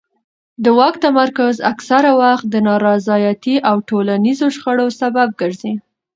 د واک تمرکز اکثره وخت د نارضایتۍ او ټولنیزو شخړو سبب ګرځي